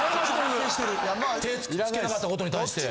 手つけんかったことに対して。